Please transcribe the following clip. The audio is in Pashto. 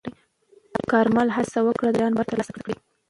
کارمل هڅه وکړه د ایران باور ترلاسه کړي.